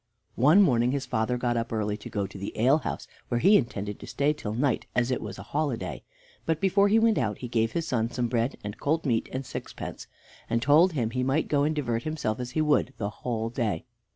One morning his father got up early to go to the ale house, where he intended to stay till night, as it was a holiday; but before he went out he gave his son some bread and cold meat and sixpence, and told him he might go and divert himself as he would the whole day.